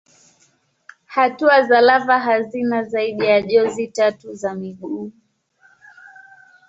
Hatua za lava hazina zaidi ya jozi tatu za miguu.